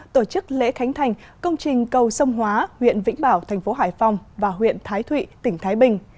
tổ chức lễ khánh thành công trình cầu sông hóa huyện vĩnh bảo thành phố hải phòng và huyện thái thụy tỉnh thái bình